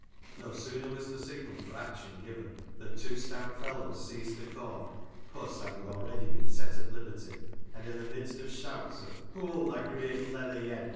No sooner was the signal for action given, than two stout fellows seized the cord (puss having already been set at liberty), and in the midst of shouts of " Pull, thou greyt leather yed